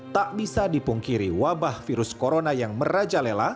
tak bisa dipungkiri wabah virus corona yang merajalela